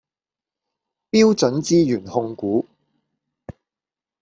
標準資源控股